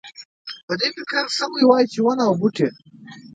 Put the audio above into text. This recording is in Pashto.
په دې فکر شوی وای چې ونه او بوټی.